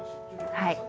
はい。